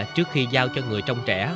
trước khi giao cho người trong trẻ